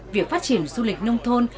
việc phát triển du lịch nông thôn